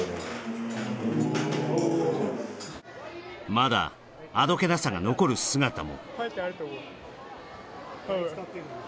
まだ、あどけなさが残る姿も。